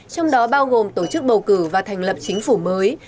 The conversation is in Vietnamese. trong đó bao gồm tổ chức bầu cử và thành lập chính phủ mới